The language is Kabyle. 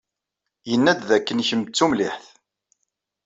Yenna-d dakken kemm d tumliḥt.